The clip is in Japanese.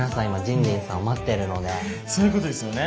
そういうことですよね。